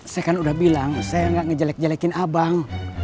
saya kan udah bilang saya nggak ngejelek jelekin abang